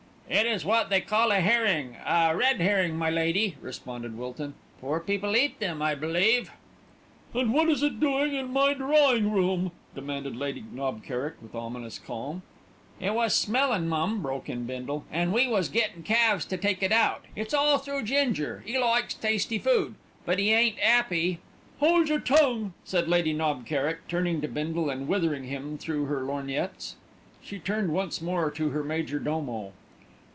"It is what they call a herring, a red herring, my lady," responded Wilton. "Poor people eat them, I believe." "And what is it doing in my drawing room?" demanded Lady Knob Kerrick with ominous calm. "It was smellin', mum," broke in Bindle, "an' we was gettin' Calves to take it out. It's all through Ginger, 'e likes tasty food; but 'e ain't 'appy " "Hold your tongue!" said Lady Knob Kerrick, turning to Bindle and withering him through her lorgnettes. She turned once more to her major domo.